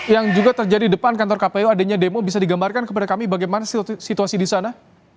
yang juga terjadi di depan kantor kpu adanya demo bisa digambarkan kepada kami bagaimana situasi di sana